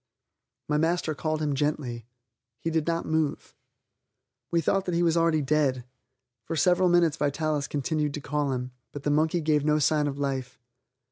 My master called him gently. He did not move. We thought that he was already dead. For several minutes Vitalis continued to call him, but the monkey gave no sign of life.